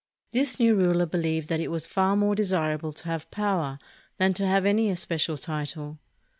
This new ruler believed that it was far more desirable to have power than to have any especial title.